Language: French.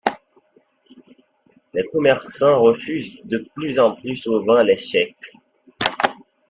Les commerçants refusent de plus en plus souvent les chèques.